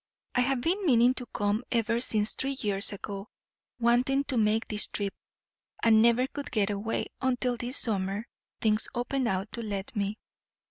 I have been meaning to come ever since three years ago; wanting to make this trip, and never could get away, until this summer things opened out to let me.